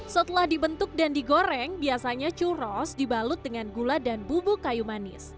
setelah dibentuk dan digoreng biasanya churros dibalut dengan gula dan bubuk kayu manis